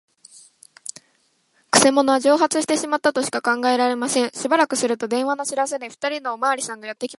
くせ者は蒸発してしまったとしか考えられません。しばらくすると、電話の知らせで、ふたりのおまわりさんがやってきましたが、